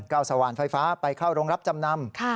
สว่านไฟฟ้าไปเข้าโรงรับจำนำ